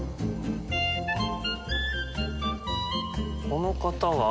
この方は？